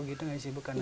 gitu gak sih